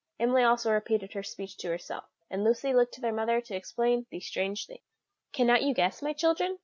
Emily also repeated her speech to herself; and Lucy looked to her mother to explain these strange things. "Cannot you guess, my children?"